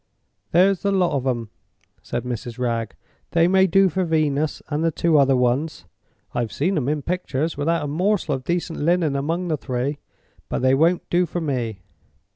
"There's the lot of 'em," said Mrs. Wragge. "They may do for Venus and the two other Ones (I've seen 'em in picters without a morsel of decent linen among the three), but they won't do for Me."